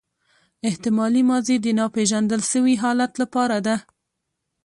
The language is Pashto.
احتمالي ماضي د ناپیژندل سوي حالت له پاره ده.